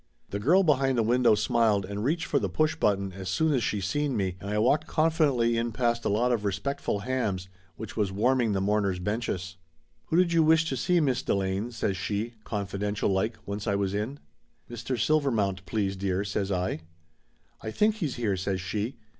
The girl behind the window smiled and reached for the push button as soon as she seen me, and I walked confi dently in past a lot of respectful hams which was warming the mourner's benches. 268 Laughter Limited "Who did you wish to see, Miss Delane?" says she, confidential like, once I was in. "Mr. Silvermount, please, dear!" says I. "I think he's here," says she.